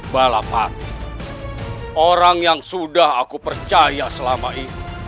balapan orang yang sudah aku percaya selama ini